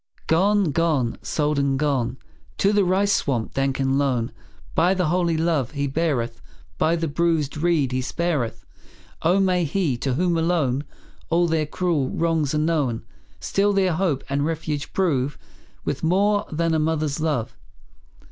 Gone, gone, sold and gone, To the rice swamp dank and lone. By the holy love He beareth; By the bruised reed He spareth; Oh, may He, to whom alone All their cruel wrongs are known, Still their hope and refuge prove, With a more than mother's love.